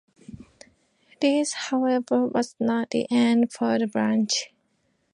This, however, was not the end for the branch.